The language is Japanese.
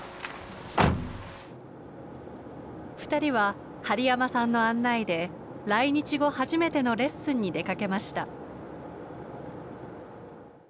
二人は針山さんの案内で来日後初めてのレッスンに出かけました。